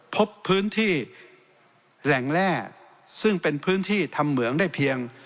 พบพื้นที่แหล่งแร่ซึ่งเป็นพื้นที่ทำเหมืองได้เพียง